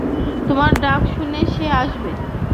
তোমার ডাক শুনে সে আসবে।